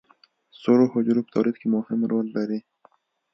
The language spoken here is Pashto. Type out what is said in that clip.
سرو حجرو په تولید کې مهم رول لري